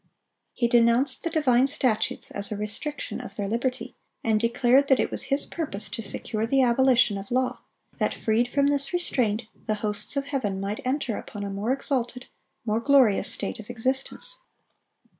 He denounced the divine statutes as a restriction of their liberty, and declared that it was his purpose to secure the abolition of law; that, freed from this restraint, the hosts of heaven might enter upon a more exalted, more glorious state of existence.